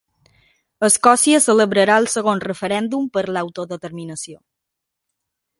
Escòcia celebrarà el segon referèndum per l'autodeterminació